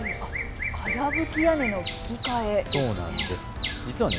かやぶき屋根のふき替えですね。